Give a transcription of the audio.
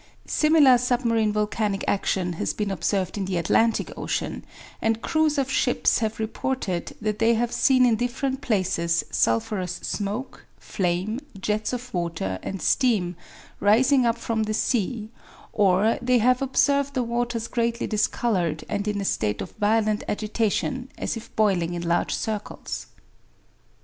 Similar submarine volcanic action has been observed in the Atlantic Ocean, and crews of ships have reported that they have seen in different places sulphurous smoke, flame, jets of water, and steam, rising up from the sea, or they have observed the waters greatly discolored and in a state of violent agitation, as if boiling in large circles.